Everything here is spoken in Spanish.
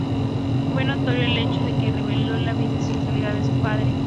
Fue notorio el hecho de que reveló la bisexualidad de su padre.